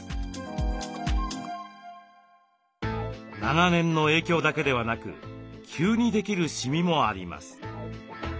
長年の影響だけではなく急にできるシミもあります。